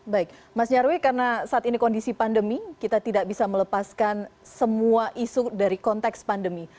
baik mas nyarwi karena saat ini kondisi pandemi kita tidak bisa melepaskan semua isu dari konteks pandemi